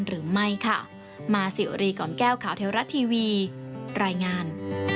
หรือไม่ค่ะมาสิวรีก่อนแก้วข่าวเทวรัฐทีวีรายงาน